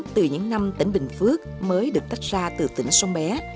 từ những năm tỉnh bình phước mới được tách ra từ tỉnh sông bé